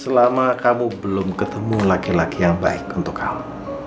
selama kamu belum ketemu laki laki yang baik untuk kamu